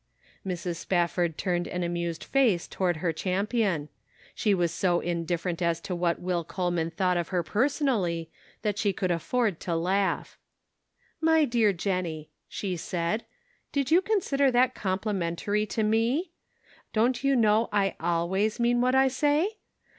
Mrs. Spafford turned an amused face toward her champion. She was so indifferent as to what Will Coleman thought of her personally, that she could afford to laugh. " My dear Jennie," she said, " did you con sider that complimentary to me ? Don't you know I always mean what I say